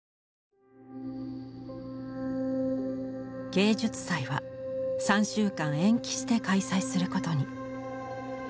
芸術祭は３週間延期して開催することに。